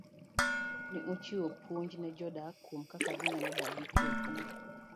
Ne ochiwo puonj ne jodak kuom kaka ginyalo dak gi kwee e piny.